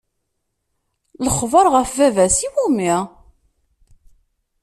Lekber ɣef bab-is, iwumi?